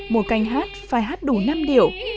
một canh hát phải hát đủ năm điệu